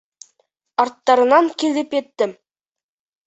Арттарынан килеп еттем!